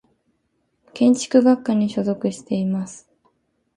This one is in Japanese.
建築学科に所属しています。